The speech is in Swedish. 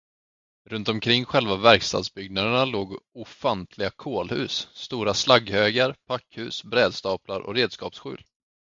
Runt omkring själva verkstadsbyggnaderna låg ofantliga kolhus, stora slagghögar, packhus, brädstaplar och redskapsskjul.